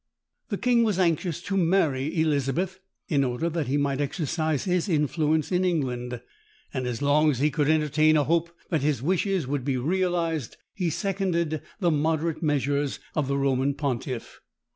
The king was anxious to marry Elizabeth, in order that he might exercise his influence in England; and as long as he could entertain a hope that his wishes would be realized, he seconded the moderate measures of the Roman pontiff.